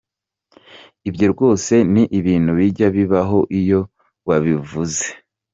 Ibyo rwose ni ibintu bijya bibaho iyo wabivuze.